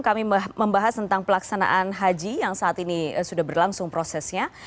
kami membahas tentang pelaksanaan haji yang saat ini sudah berlangsung prosesnya